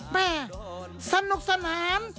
แม่สนุกสนาน